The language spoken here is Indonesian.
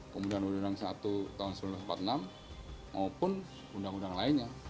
kemudian undang undang satu tahun seribu sembilan ratus empat puluh enam maupun undang undang lainnya